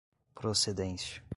procedência